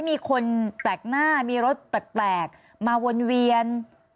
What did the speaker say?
มีคนแปลกหน้ามีรถแปลกมาวนเวียน